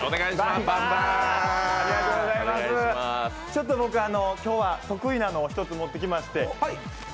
ちょっと僕、得意なのを一つ持ってきまして。